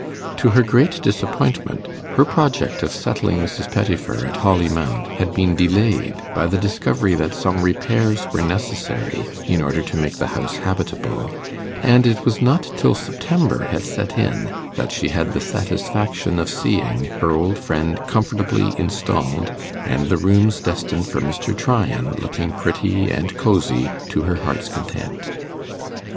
To her great disappointment, her project of settling Mrs. Pettifer at Holly Mount had been delayed by the discovery that some repairs were necessary in order to make the house habitable, and it was not till September had set in that she had the satisfaction of seeing her old friend comfortably installed, and the rooms destined for Mr. Tryan looking pretty and cosy to her heart's content.